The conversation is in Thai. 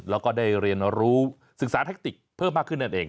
แล้วก็ได้เรียนรู้ศึกษาแทคติกเพิ่มมากขึ้นนั่นเอง